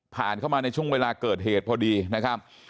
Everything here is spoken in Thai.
เข้ามาในช่วงเวลาเกิดเหตุพอดีนะครับ